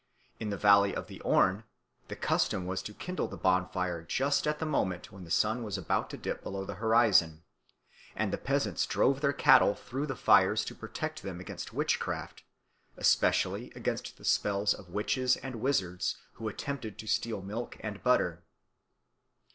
In the valley of the Orne the custom was to kindle the bonfire just at the moment when the sun was about to dip below the horizon; and the peasants drove their cattle through the fires to protect them against witchcraft, especially against the spells of witches and wizards who attempted to steal the milk and butter.